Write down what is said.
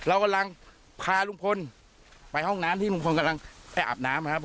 อาบไปเลยครับ